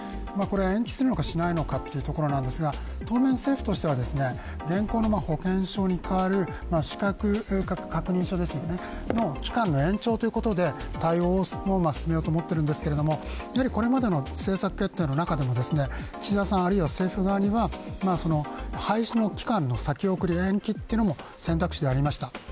延期するのか、しないのかというところですけど、当面政府としては現行の保険証に代わる資格確認書ですよねの期間の延長ということで対応を進めようと思っているんですけれども、これまでの政策決定の中でも、岸田さん、あるいは政府側には廃止の期間の先送り延期というのも、選択肢でありました。